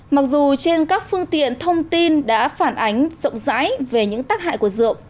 mặc dù trên các phương tiện thông tin đã phản ánh rộng rãi về những tác hại của rượu